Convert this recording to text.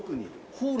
ホール？